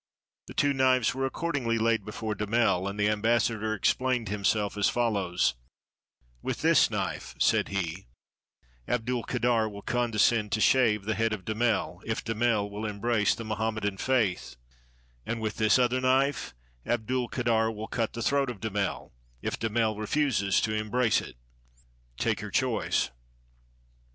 The two knives were accordingly laid before Damel, and the ambassador explained himself as follows: "With this knife," said he, "Abdulkader will condescend to shave the head of Damel, if Damel will embrace the Moham medan faith; and with this other knife, Abdulkader will cut the throat of Damel, if Damel refuses to embrace it: take your choice."